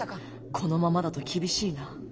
このままだと厳しいな。